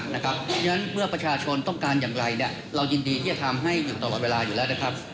เพราะฉะนั้นเมื่อประชาชนต้องการอย่างไรเรายินดีที่จะทำให้อยู่ตลอดเวลาอยู่แล้วนะครับ